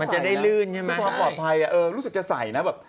มันจะได้ลื่นใช่ไหม